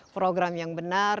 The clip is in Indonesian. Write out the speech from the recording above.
program yang benar